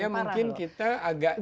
ya menurut saya mungkin kita agak